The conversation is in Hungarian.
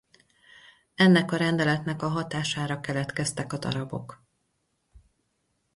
Ennek a rendeletnek a hatására keletkeztek a darabok.